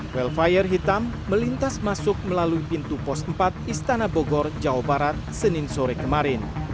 wellfire hitam melintas masuk melalui pintu pos empat istana bogor jawa barat senin sore kemarin